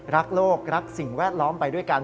รักโลกรักสิ่งแวดล้อมไปด้วยกัน